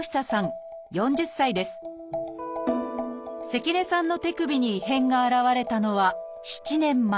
関根さんの手首に異変が現れたのは７年前。